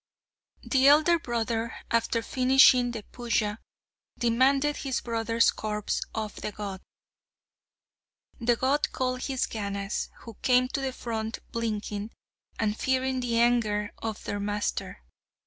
The elder brother, after finishing the puja, demanded his brother's corpse of the god. The god called his Ganas, who came to the front blinking, and fearing the anger of their master.